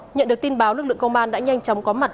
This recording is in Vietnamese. nhận được tin báo lực lượng công an đã nhanh chóng có mặt